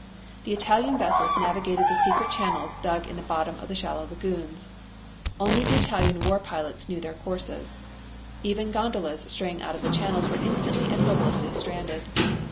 The Italian vessels navigated secret channels dug in the bottom of the shallow lagoons. Only the Italian war pilots knew these courses. Even gondolas straying out of the channels were instantly and hopelessly stranded.